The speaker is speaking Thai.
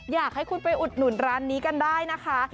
อยากให้คุณไปอุดหนุนร้านนี้กันได้นะคะ